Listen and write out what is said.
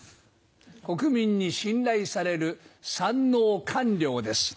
国民に信頼される三ＮＯ官僚です。